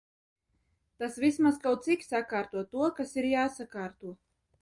Tas vismaz kaut cik sakārto to, kas ir jāsakārto.